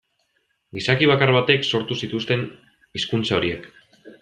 Gizaki bakar batek sortu zituzten hizkuntza horiek.